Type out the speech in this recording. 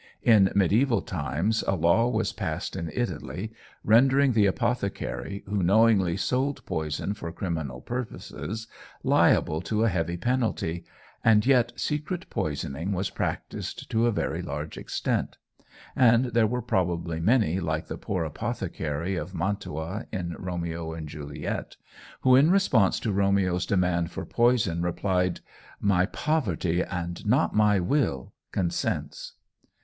In mediæval times a law was passed in Italy rendering the apothecary, who knowingly sold poison for criminal purposes, liable to a heavy penalty, and yet secret poisoning was practised to a very large extent; and there were probably many like the poor apothecary of Mantua in Romeo and Juliet, who, in response to Romeo's demand for poison, replied, "My poverty and not my will consents."